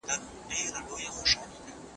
د موسسې ودانۍ رنګ شوې وه.